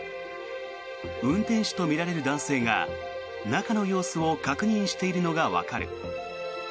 運転手とみられる男性が中の様子を確認しているのがわかる。